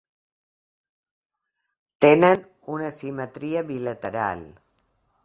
Tenen una simetria bilateral.